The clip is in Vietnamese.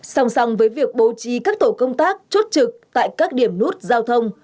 sòng sòng với việc bố trí các tổ công tác chốt trực tại các điểm nút giao thông